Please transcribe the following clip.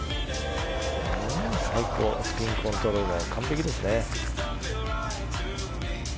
最高、スピンコントロールも完璧ですね。